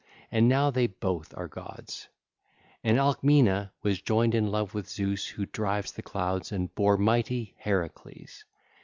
And now they both are gods. (ll. 943 944) And Alcmena was joined in love with Zeus who drives the clouds and bare mighty Heracles.